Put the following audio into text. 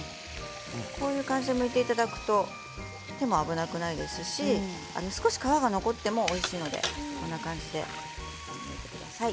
こういう感じでむいていただくと手も危なくないですし少し皮が残ってもおいしいのでこんな感じでやってください。